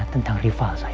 tentang rival saya itu